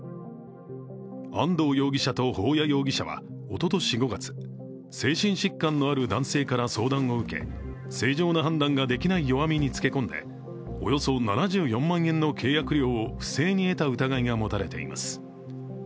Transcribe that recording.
安藤容疑者と保谷容疑者はおととし５月精神疾患のある男性から相談を受け正常な判断ができない弱みにつけ込んでおよそ７４万円の契約料を不正に得た疑いが持たれています。